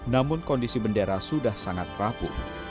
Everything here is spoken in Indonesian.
namun kondisi bendera sudah sangat rapuh